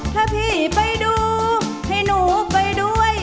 ถ้าพี่ไปดูให้หนูไปด้วย